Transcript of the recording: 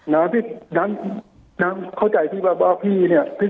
น้ำเข้าใจที่แบบว่าพี่เนี่ย